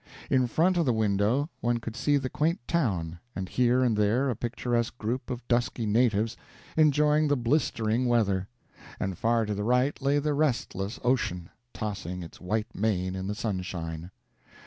In front of the window one could see the quaint town, and here and there a picturesque group of dusky natives, enjoying the blistering weather; and far to the right lay the restless ocean, tossing its white mane in the sunshine.